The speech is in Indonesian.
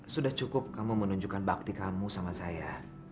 sudah cukup kamu menunjukkan bakti kamu sama saya